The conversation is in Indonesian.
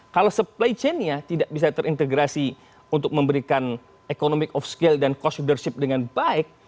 kalau supply chainnya tidak bisa terintegrasi untuk memberikan economic off scale dan cost leadership dengan baik